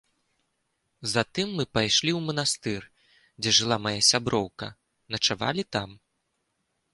Затым мы пайшлі ў манастыр, дзе жыла мая сяброўка, начавалі там.